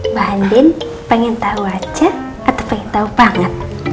mbak andin pengen tau aja atau pengen tau banget